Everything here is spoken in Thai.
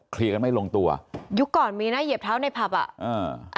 กันไม่ลงตัวยุคก่อนมีนะเหยียบเท้าในผับอ่ะอ่า